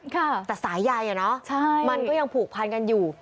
ค่ะใช่แต่สายใยน่ะมันก็ยังผูกพันกันอยู่